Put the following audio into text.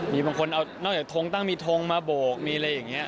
มีบางคนเอานอกจากทงตั้งมีทงมาโบกมีอะไรอย่างนี้